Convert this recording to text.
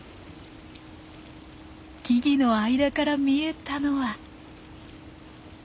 木々の間から見えたのは。